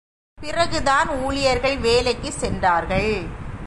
பிறகுதான் ஊழியர்கள் வேலைக்குச் சென்றார்கள்.